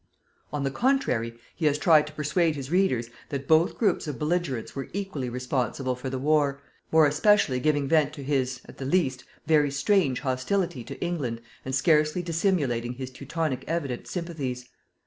On the contrary, he has tried to persuade his readers that both groups of belligerents were equally responsible for the war, more especially giving vent to his, at the least, very strange hostility to England and scarcely dissimulating his teutonic evident sympathies.